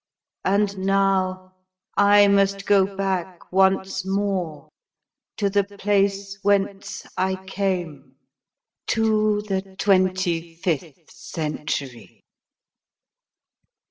And now I must go back once more to the place whence I came to THE TWENTY FIFTH CENTURY."